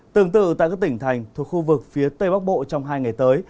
tương tự tại các tỉnh thành thuộc khu vực phía tây bắc bộ trong hai ngày tới